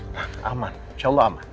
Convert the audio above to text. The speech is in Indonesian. tak aman insya allah aman